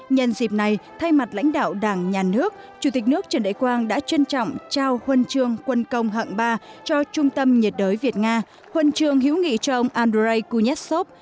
nhân dịp này thay mặt lãnh đạo đảng nhà nước chủ tịch nước trần đại quang đã trân trọng trao huân chương quân công hạng ba cho trung tâm nhiệt đới việt nga huân chương hữu nghị cho ông andrei kunessov